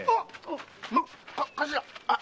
あっ！